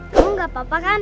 kamu enggak apa apa kan